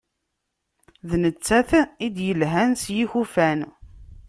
D nettat i d-yelhan s yikufan.